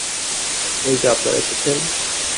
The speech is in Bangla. এই-যে আপনারা এসেছেন।